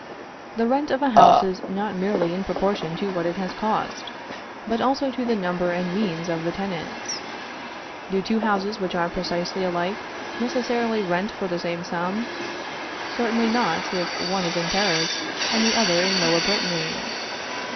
The rent of a house is not merely in proportion to what it has cost, but also to the number and means of the tenants. Do two houses which are precisely alike necessarily rent for the same sum? Certainly not, if one is in Paris and the other in Lower Brittany.